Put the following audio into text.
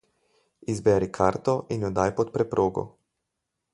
Izberi karto in jo daj pod preprogo.